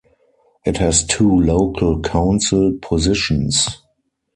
It has two local council positions.